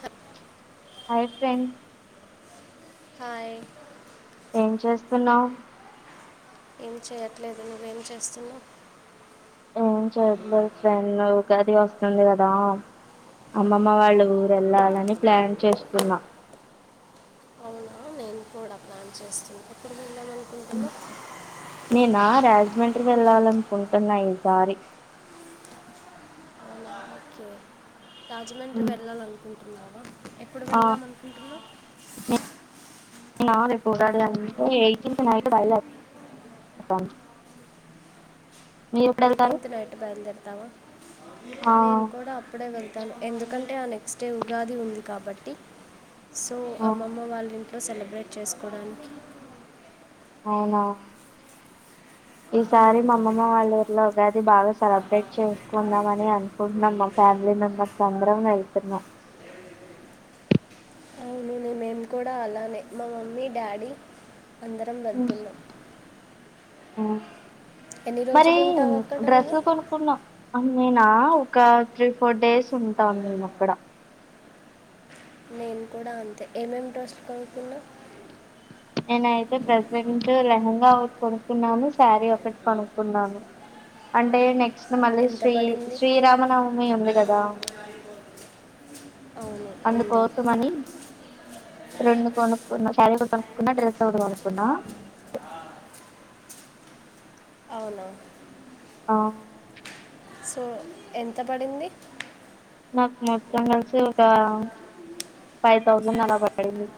Hub hi Fred hi ఏం చేస్తున్నావు ఏం చేయట్లేదు నువ్వేం చేస్తున్నావు ఏం చేయట్లేదు ఫ్రెండ్ కది వస్తుంది కదా అమ్మమ్మ వాళ్ళు ఊరు వెళ్ళాలని ప్లాన్ చేస్తున్నా లాన్ చేస్తుందిప్పుడు నుకుంటున్నా ఈసారి అవునా ఓకే రాజమండ్రి వెళ్ళాలనుకుంటంది కర్నాడం ఎప్పుడు ఆ వెళ్దాం అనుకుంటున్నా నే నా కూూడాాల అంటే ఎయిన్ నైట్ బయలు ఎయిటీన్త్ నైట్ బయలుదేరతావా ఆ నేను కూడా అప్పుడే వెళ్త ను ఎందుకంటే ఆ నెక్స్ట్ డే ఉగాది ఉంది కాబట్టి సో ఆ అమ్మమ్మ వాళ్ళని సెలబ్రేట్ చేసుకోవడానికి అవునా ఈసారి అవును మామ్మమ్మ వాళ్ళ ఊర్లో ఉగాది బాగా సెలబ్రేట్ చేసుకున్నామని అనుకుంటున్నాం మా ఫ్యామిలీ మెంబర్స్ అందరం వెళ్తున్నాం అవును నేను మేము కూడా అలానే మా మమ్మీ డాడీ అందరం వెళ్తున్నా ఆఓ మరి ఉంటావు అక్కడ నువ్వు డ్రెస్సు కొనుకున్నాం నేను ఒక త్రీ ఫోర్ డేస్ ఉంటాం మేము అక్కడ నేను కూడా అంతే ఏమేం ట్రస్ట్ కలుతున్నా ఏనైయితే ప్రెజెంట్ లహంగా ఒకటి కొనుక్కున్నాను శారీ ఒకటి కొనుక్కున్నాను అంటే నెక్స్ట్ మళ్ళీ ఎంత శ్రీ పడింది శ్రీరామనవమి ఉంది కదా అవును ఉంది అందుకోసమని రెండు కోనుకున్నా సారీ కూడా కొనుకున్నా డ్రెస్ కూడా కొనుకున్నా అవును ఆ సో ఎంత పడింది నాకు మొత్తం కలిసి ఒక ఫైవ్ థౌజండ్ అలా పడింది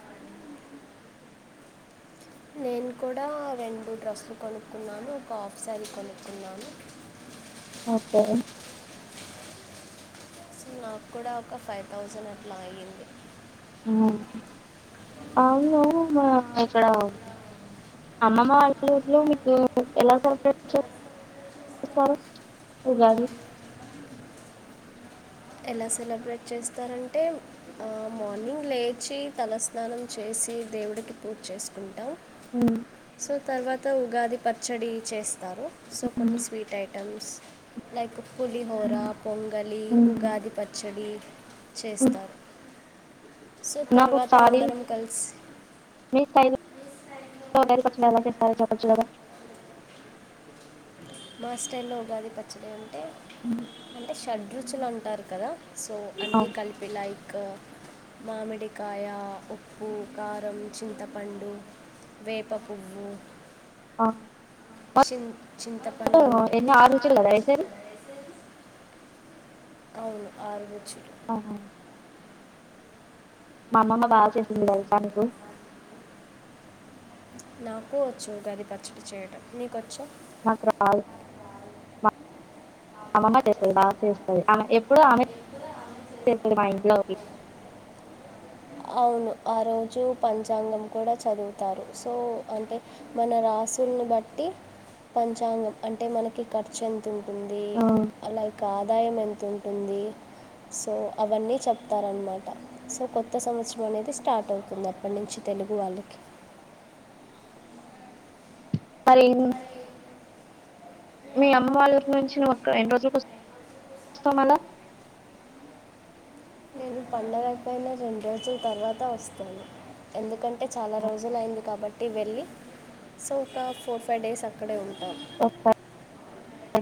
నేను కూడా రెండు డ్రస్లు కొనుక్కున్నాను ఒక ఆఫ్సారి కొనుక్కున్నాను ఓకే సో నాకు కూడా ఒక ఫైవ్ థౌజండ్ అట్లా అయ్యింది అవును్ మా ఇక్కడ అమ్మమ్మ వాళ్ళట్లో మీకు ఎలా సర్పైజ్స్తారు ఉగాది ఎలా సెలబ్రేట్ చేస్తారంటే అ మార్నింగ్ లేచి తలస్నానం చేసి దేవుడికి పూజ చేసుకుంటాం సో తర్వాత త్త ఉగాది పచ్చడి చేస్ వస్తారు సో కొన్ని sweet items like pulihora pongali Ugadi పచ్చడి చేస్తారు సో నాకు తర్వాత ఒకసారి అందరం కలిసి [inaudible] పచ్చడి ఎలా చేస్తారో చప్పచ్చు కదా మా స్టైల్లో ఉగాది పచ్చడి అన్ టే అంటే షడ్ రుచులు అంటారు కదా సో అన్నీ ఆ కలిపి లై క్ మామిడికాయ ఉప్పు కారం చింతపండు వేప పువ్వు ఆ చిన్ చింతపండు ఆరు రుచులు కదా వేసేది అవును ఆరు రుచు ఆహా మా అమ్మమ్మ బాగా చేసింది తెలుసా నీకు నాకూ వచ్చు ఉగాది పచ్చడి చేయడం నీకొచ్చా నాకు రాదు మా అమ్మమ్మ చేస్తది బాగా చేస్తది ఆమె ఎప్పుడు ఆమె చేస్తది మా ఇంట్లో అవును ఆ రోజు పంచాంగం కూడా చదువుతారు సో అంటే మన రాసుల్ని బట్టి పంచాంగం అంటే మనకి ఖర్చు ఎంత ఉంటుంది లైక్ ఆదాయం ఎంత ఉంటుంది సో అవన్నీ చెప్తారనమాట సో కొ కొత్త సంవత్సరం అనేది స్టార్ట్ అవుతుంది అప్పటినుంచి తెలుగు వాళ్ళకి అరే మీ అమ్మ వాళ్ళ నుంచి నువ్ ఎన్ని రోజులకు వస్తావు మల్ల నే పండగ అయిపోయిన రెండు రోజుల తర్వాత వస్తాను ఎందుకంటే అంటే చాలా రోజులయ్యింది కాబట్టి ఒకటి వెళ్ళి సో ఒక ఫోర్ ఫైవ్ డేస్ అక్కడే ఉంటాను నేను ఫైవ్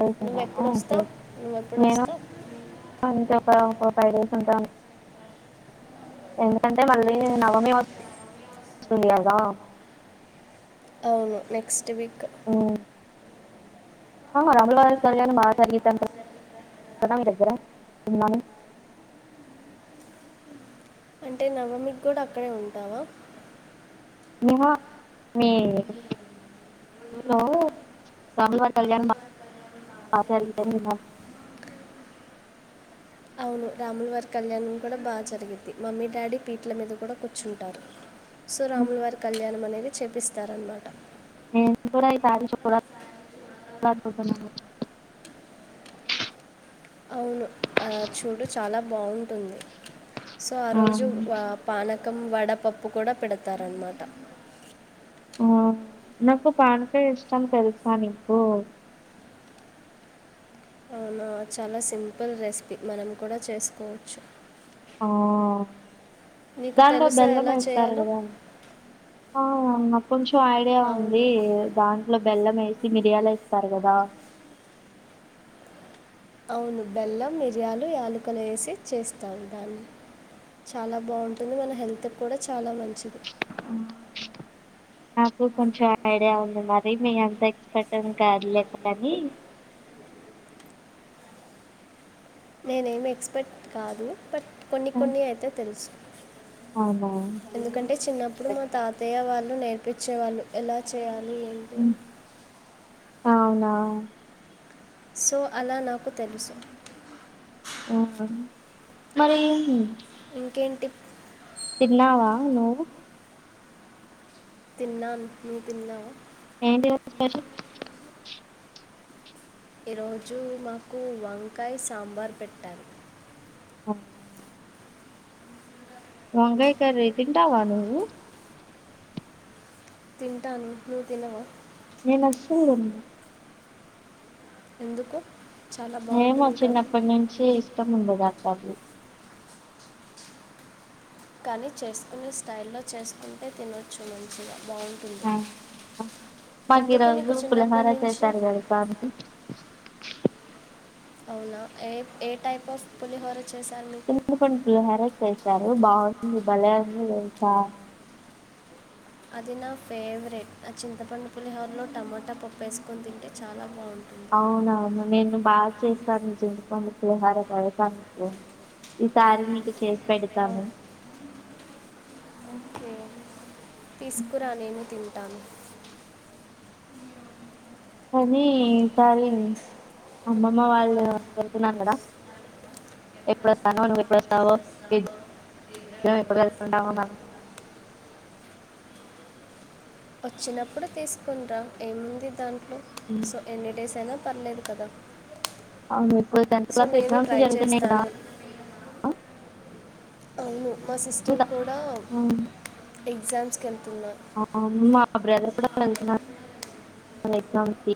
డేస్ నువ్వు ఎప్పుడు ఉంటాను వస్తావు నువ్వు ఎప్పుడు వస్తావు ఎందుకంటే మళ్ళీ నవమీ వస్తుంది కదా అవును నెక్స్ట్ వీక్ రాముల వారి కళ్యాణ బాగా జరిగిద్ది అంట కదా మీ దగ్గర విన్నాను అంటే నవమికు కూడా అక్కడే ఉంటావా వ ఏ హలో రాము కళ్యాణ ఆచ అవును రాములవారి కళ్యాణ్ం కూడా బాగా జరిగిద్ది మమ్మీ డాడీ పీట్ల మీద కూడా కూర్చుంటారు సో రాములువారి కళ్యాణం అనేది చేపిస్తారన్నమాట నేను కూడా ఈసారి చూడాలనుకుంటున్నాను అవును ఆ చూడు చాలా బాగుంటుంది సో ఆ రోజు పాన పకం వడపప్పు కూడా పెడతారనమాట ఆ నాకు పానకాయ ఇష్టం తెలుసానుకో అవునా చాలా సింపుల్ రెసిపీ మనం కూడా చేసుకోవచ్చు ఆ నీకు దాంట్లో తెలుసా బెల్లం ఎలా వేస్తారు చేయాలో కదా ఉ కొంచెం ఐడియా అవును ఉంది దాంట్లో బెల్లం వేసి మిరియాల ఇస్తారు కదా అవును బెల్లం మిరియాలు యాలకలు వేసి చేస్తావు దాన్ని చాలా బాగుంటుంది మన హెల్త్ కూడా చాలా మంచిది నాకు కొంచెం ఐడియా ఉ మరి మే ఎంత ఎక్స్పెట్టం కాదు లేక అని నేనేమి ఎక్స్పెర్ట్ కాదు బట్ కొన్ని కొన్ని అయితే తెలుసు అవునా ఎందుకంటే చిన్నప్పుడు మా తాతయ్య వాళ్ళు నే పపించేవాళ్ళు ఎలా చేయాలి ఏంటి అని. అవునా ఆవు సో అలా నాకు తెలుసు మరి ఇంకేంటి తిన్నావా నుో్ తిన్నాను మ తిన్నా ఎడి ఈరోజు మాకు వంకాయ సాంబార్ పెట్టారు ఓ వంగయి క ర తంటావా ను తిటా అని ఇ తినవా నేను అస్సలు గొన్ను ఎందుకు చాలా ఏమో బాగుంటుంది కదా చిన్నప్పటి నుంచి ఇష్టం ఉండదు అట్లాటివి కానీ చేసుకునే స్టైల్లో చేసుకుంటే తినొచ్చు మంచిగా బావుంటుంది మాకు ఈ రోజు పులిహోర చేశారు [unintelligible] అవునా ఏ ఏ టైప్ ఆఫ్ పులిహోర చేశాను నీకు చింత పండు పులిహోర చేసారు బాం ది భలే వుంది దెలుసా అది నా ఫేవరెట్ ఆ చింతపండు పులిహోరలో టమోటా పప్పు వేసుకొని తింటే చాలా బాం అవునవును పులిహార తెలుసా నీకు ఈసారి నీకు చేస్ పెడతాను ఓకే తీసుకురా నేను తిం టాను కానీ సారి అమ్మమ్మ వాళ్ళు [inaudible] వెళ్తున్నాను కదా ఎప్పుడొస్తానో నువ్వు ఎప్పుడొస్తావో ఇద్దరం ఎప్పుడు కలుసుకుంటామొ మనం వచ్చినప్పుడు తీసుకుని రా ఏముంది దానికి సో ఎన్ని డేస్ అయినా పర్లేదు కదా అవును ఇప్పుడు టెన్త్ సో క్లాస్ నేను ఎగ్జామ్స్ ట్రై జరుగుతున్నాయి కదా చేస్తాను అవును మా సిస్టర్ ఇంకా కూడా ఎగ్జామ్ ఇక మా బ్రదర్ కూడా వెళ్తున్నాడు మన ఎగ్జామ్ ఫి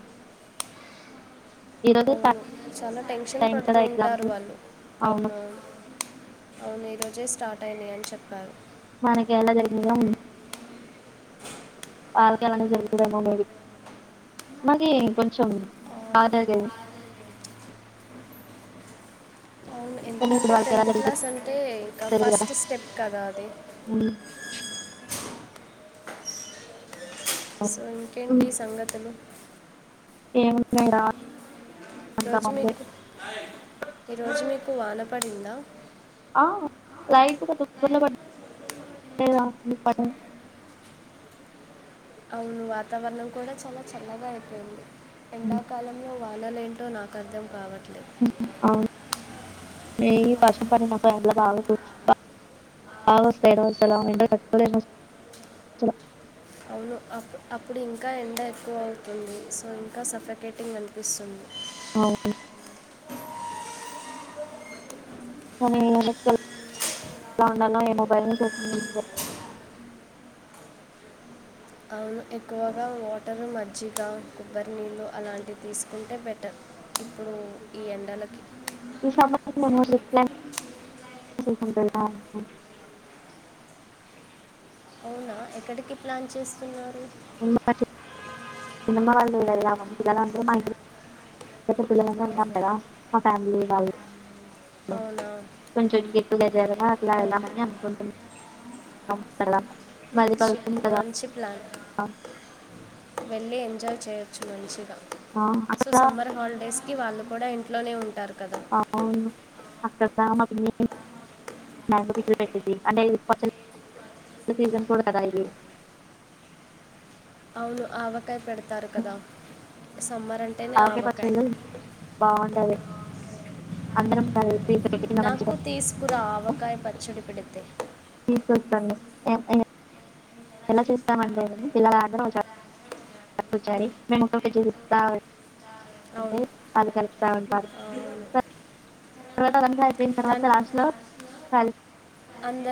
అవును చాలా టెన్షన్ పడుతూ కదా ఎగ్జామ్స్ ఉంటారు వాళ్ళు అవును అవునవును అవును ఈ రోజే స్టార్ట్ అయినాయ్ అని చెప్పారు మనకి ఎలా జరిగినాయో వాళ్లకి అలానే జరుగుతాదేమో మేబి అవును అంటే వాళ్ళకి ఎలా టెన్త్ జరుగుతుందో క్లాస్ అంటే ఇంకా తెలియదు కదా ఫస్ట్ స్టెప్ కదా అది సో ఇంకేంటి సంగతులు ఏమున్నాయ్ రా ఈ అంతా రోజు మామూలే మీకు ఈ రోజు మీ కు వాన పడిందా ఆ లైట్ గా తుంపర్లు పడ్డాయి రా [inaudible] అవును వాతావరణం కూడా చాలా చల్లగా అయిపోయింది ఎండా కాలం లో వా కలలేంటో నాకు అర్థం కావట్ [unintelligible] అవును అప్పు అప్పుడు ఇంకా ఎండ ఎక్కువ అవుతుంది సో ఇంకా సఫకేటింగ్ అనిపిస్తుంది అవును కానీ ఈ ఎండక్కేల్ ఎలా ఉండాలో ఏమో భయమేసేస్తుంది ముందే అవును ఎక్కువగా వాటర్ మజ్జిగా కొబ్బరి నీళ్ళు అలాంటివి తీసుకుంటే బెటర్ ఇప్పుడు ఈ ఎండలకి [unintelligible] అవునా ఎక్కడికి ప్లాన్ చేస్తున్నారు [unintelligible] పిల్లలందరు మా ఇంటి అయితే పిల్లలందరం ఆ, ఉంటం కదా మా ఫ్యామిలీ వాళ్ళు అవునా కొంచుండి [unintelligible] అట్లా ఆ, వెళ్దామని అనుకుంటున్నాం అంస్తడ మంచి మంచి ప్లాన్ వే ళ్ళీ ఎంజాయ్ చేయొచ్చు మంచిగా ఆ, సో అక్కడ సమ్మర్ హాలిడేస్ కి వాళ్ళు కూడా ఇంట్లోనే ఉంటారు కదా అవును అక్క డా మ పిన్ని [unintelligible] పెట్టిది అంటే సీజన్ కూడా కదా ఇది అవును ఆవ పెడతారు కదా సమ్మర అంటే ఆకాయ పచ్చడి బాగుంట ఏ అందరం కల్ నాకు తీసుకురా ఆవకాయ పచ్చడి పెడ ంతే తీసుకొస్తాన్ లే ఎలా చూస్తామండి పిల్లల మందారం వచ్చాము [unintelligible] అంటే అవును పలకల్ సవెన్ పారు అవును స తర్వాత వన్ సారీ పోయిన తర్వాత దాంట్- లాస్ట్ లో కాల్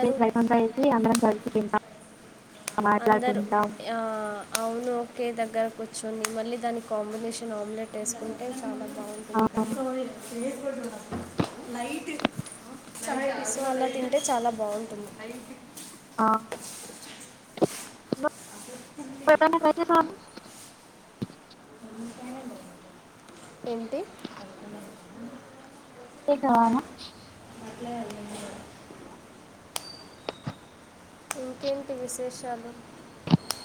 ప్లేట్ లో రైస్ అంతా ఏసీ అందరం కలిసి [unintelligible] అందరు మాట్లాడుకుంటాం ఆ అవును ఓకే దగ్గర కూ ర్చొని మళ్ళీ దానికి కాంబినేషన్ ఆమ్లెట్ వేసుకుంటే చాలా ఆ, బాగుంటుంది అంటే చాలా బాగుంటుంది ఆ [inaudible] ఏంటి [inaudible] తే కావాలా చాలు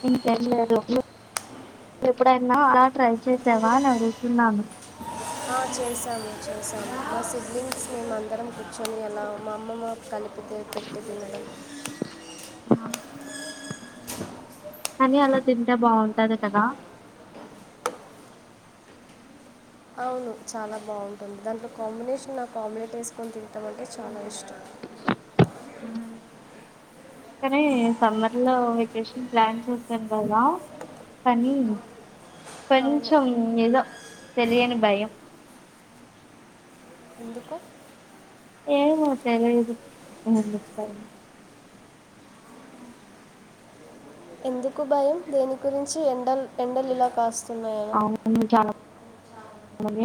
ఇంకేం లేదు ఎప్పుడైనా అలా ట్రై చేసావా అని అడుగుతున్నాను ఆ చేసాము చేసాము మా సిబ్లింగ్స్ మేము అందరం కూర్చొని అలా మా అమ్మమ్మ కలిపితే పెట్టి తినడం కానీ అలా తింటే బాగుంటది కదా అవును చాలా బాగుంటుంది దాంట్లో కాంబినేషన్ నా ఆమ్లెట్ వేసుకొని తినటాం అంటే చాలా ఇష్టం కానీ సమ్మర్ లో వెకేషన్ ప్లాన్ చేశాను కదా కానీ అవును కొంచం ఏదో తెలియనీ భయం ఎందుకు ఏమో తెలియదు ఎందుకు భయమో ఎందుకు భయం దేని గురించి ఎండ ఎండలు ఇలా కాస్త అవును చాల [inaudible]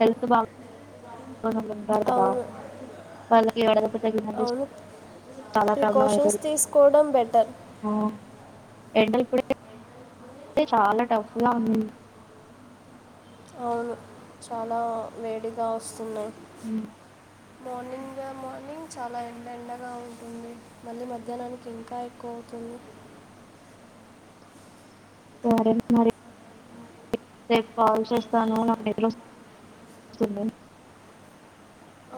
హెల్త్ బాగో అవును [inaudible] వాళ్ళకి [inaudible] ప్రాబ్లం ప్రికాషిన్స్ అయితది తీసుకోవడం బెటర్ ఆ ఎండలు ఇప్పుడే అదే చాలా టఫ్ గా ఉన్నింది అవును చాలా వేడిగా వస్తున్నాయి ఉ మార్నింగ్ మార్నింగ్ చాలా ఎండ ఎండగా ఉంటుంది మళ్ళీ మధ్యాహ్నానికి ఇంకా ఎక్కువ అవుతుంది వాడు ఏమన్నాడంటే రేపు కాల్ చేస్తాను నాకు నిద్రవస్తుంది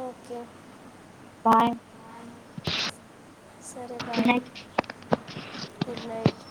ఓకే బాయ్ సరే good bye night good night